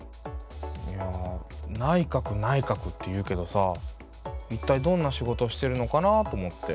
いや内閣内閣って言うけどさいったいどんな仕事してるのかなと思って。